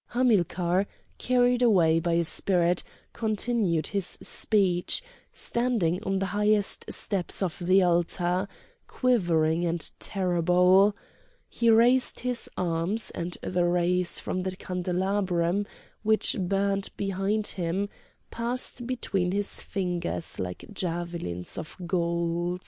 Hamilcar, carried away by a spirit, continued his speech, standing on the highest step of the altar, quivering and terrible; he raised his arms, and the rays from the candelabrum which burned behind him passed between his fingers like javelins of gold.